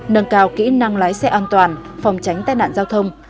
nâng cao kỹ năng lái xe an toàn phòng tránh tai nạn giao thông